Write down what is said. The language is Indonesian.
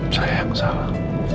saya yang salah